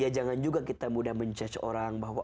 ya jangan juga kita mudah menjudge orang bahwa